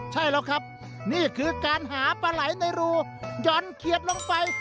ใช่แล้วครับนี่คือการหาปลาไหลในรูหย่อนเขียดลงไป